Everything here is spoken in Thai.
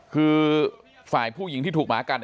คือฝ่ายผู้หญิงที่ถูกหมากัน